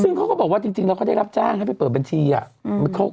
ซึ่งเขาก็บอกว่าจริงแล้วเขาได้รับจ้างให้ไปเปิดบัญชีอ่ะ